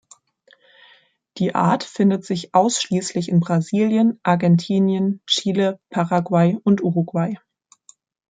Die Art findet sich ausschließlich in Brasilien, Argentinien, Chile, Paraguay und Uruguay.